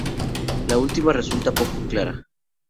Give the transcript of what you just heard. La trama resulta poco clara.